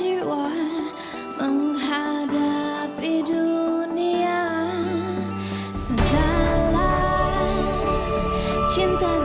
selamat hari pendidikan nasional